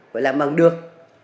phải làm bằng được